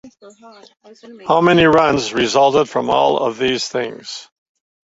How many runs resulted from all of these things?